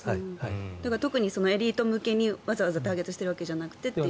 特にエリート向けにわざわざターゲットしているわけじゃなくてと。